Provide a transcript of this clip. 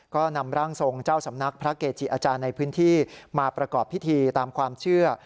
ก็นำร่างทรงเจ้าสำนักพระเกจิอาจารย์ในพื้นที่มาประกอบพิธีตามความเชื่อ